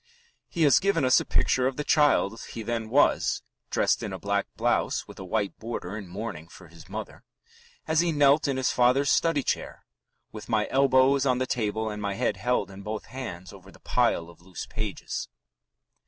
He has given us a picture of the child he then was (dressed in a black blouse with a white border in mourning for his mother) as he knelt in his father's study chair, "with my elbows on the table and my head held in both hands over the pile of loose pages."